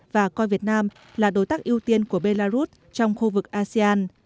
và coi việt nam là đối tác ưu tiên của belarus trong khu vực asean